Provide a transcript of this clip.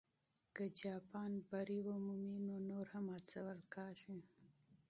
که جاپان بری ومومي، نو نور هم هڅول کېږي.